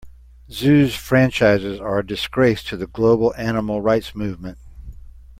Zoos franchises are a disgrace to the global animal rights movement.